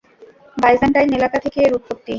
Byzantine এলাকা থেকে এর উৎপত্তি।